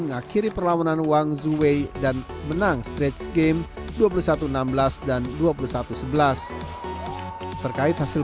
mengakhiri perlawanan wang zuwei dan menang stretch game dua puluh satu enam belas dan dua puluh satu sebelas terkait hasil